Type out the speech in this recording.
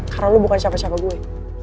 karena lu bukan siapa siapa gue